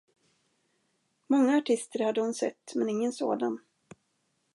Många artister hade hon sett, men ingen sådan.